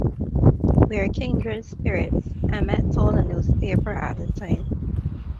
"We're kindred spirits", Emmett told a newspaper at the time.